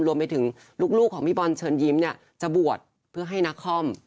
รวมไปถึงลูกของพี่บอลเชิญยิ้มเนี่ยจะบวชเพื่อให้นักคอม